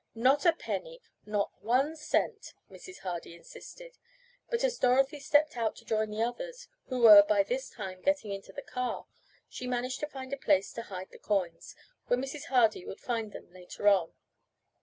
"Not a penny! Not one cent!" Mrs. Hardy insisted, but as Dorothy stepped out to join the others, who by this time were getting into the car, she managed to find a place to hide the coins where Mrs. Hardy would find them later on.